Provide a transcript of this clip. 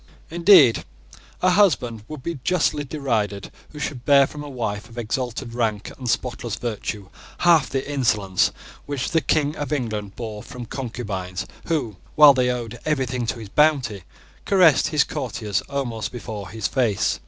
Indeed a husband would be justly derided who should bear from a wife of exalted rank and spotless virtue half the insolence which the King of England bore from concubines who, while they owed everything to his bounty, caressed his courtiers almost before his face.